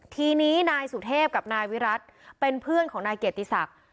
ทีนี้นายสุเทพกับนายวิรัติเป็นเพื่อนของนายเกียรติศักดิ์